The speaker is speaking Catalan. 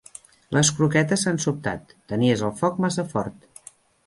Les croquetes s'han sobtat: tenies el foc massa fort.